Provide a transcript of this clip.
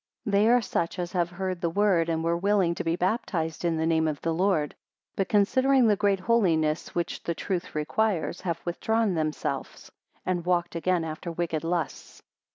76 They are such as have heard the word, and were willing to be baptised in the name of the Lord; but considering the great holiness which the truth requires, have withdrawn themselves, an walked again after wicked lusts.